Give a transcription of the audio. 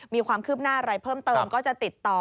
มีความคืบหน้าอะไรเพิ่มเติมก็จะติดต่อ